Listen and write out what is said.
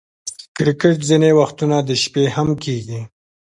کرکټ ځیني وختونه د شپې هم کیږي.